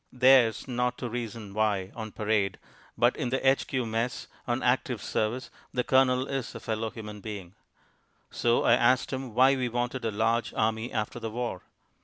"Theirs not to reason why" on parade, but in the H.Q. Mess on active service the Colonel is a fellow human being. So I asked him why we wanted a large army after the war.